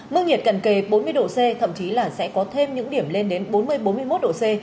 mức nhiệt cận kề bốn mươi độ c thậm chí là sẽ có thêm những điểm lên đến bốn mươi bốn mươi một độ c